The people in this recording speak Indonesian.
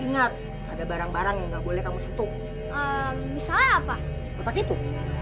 ingat ada barang barang yang boleh kamu setu misal apa itu